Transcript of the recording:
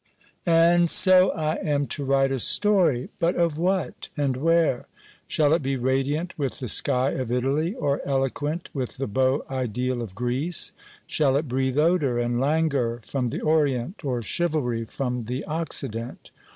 And so I am to write a story but of what, and where? Shall it be radiant with the sky of Italy? or eloquent with the beau ideal of Greece? Shall it breathe odor and languor from the orient, or chivalry from the occident?